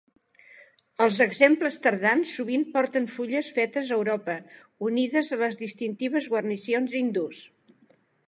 Els exemples tardans sovint porten fulles fetes a Europa, unides a les distintives guarnicions hindús.